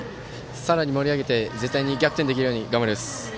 さらに盛り上げて絶対に逆転できるように頑張ります。